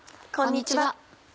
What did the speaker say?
こんにちは。